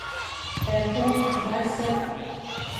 — Ә һуң, Вася...